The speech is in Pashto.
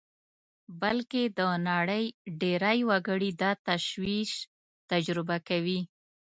بلکې د نړۍ ډېری وګړي دا تشویش تجربه کوي